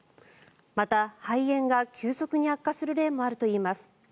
また、肺炎が急速に悪化する例もあるといいます。